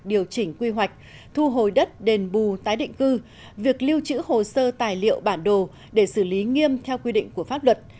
điều chỉnh quy hoạch thu hồi đất đền bù tái định cư việc lưu trữ hồ sơ tài liệu bản đồ để xử lý nghiêm theo quy định của pháp luật